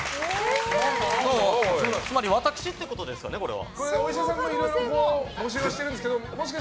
つまり私ということですよね、これは。